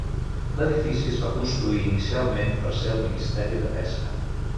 L'edifici es va construir inicialment per ser el Ministeri de Pesca.